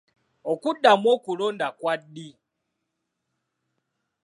Okuddamu okulonda kwa ddi?